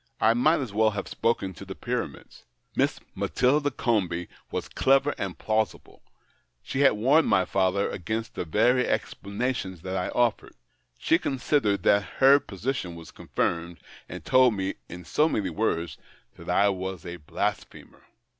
I might as well have spoken to the Pyramids. Miss Matilda Comby was clever and plausible ; she had warned my father against the very explanations that I offered. He considered that her position was confirmed, and told me, in so many words, that I was a blasphemer."